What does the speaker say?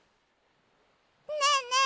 ねえねえ